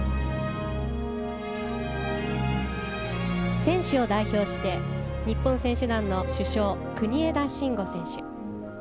選手を代表して日本選手団の主将国枝慎吾選手。